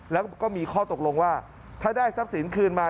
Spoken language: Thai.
แล้วก็มีข้อตกลงว่าถ้าได้ทรัพย์สินคืนมา